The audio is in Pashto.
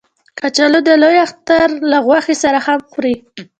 کچالو د لوی اختر له غوښې سره هم خوري